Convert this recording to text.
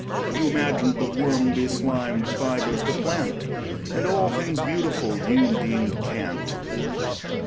You imagined the worm beslimed fibres the plant, and all things beautiful you deemed cant.